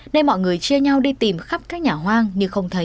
nên mọi người chia nhau đi tìm khắp các nhà hoang nhưng không thấy